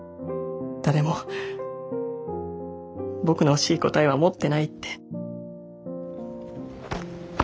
誰も僕の欲しい答えは持ってないって。